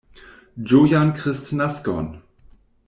Ĝojan Kristnaskon!